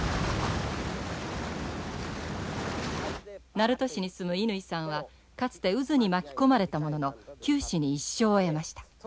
鳴門市に住む乾さんはかつて渦に巻き込まれたものの九死に一生を得ました。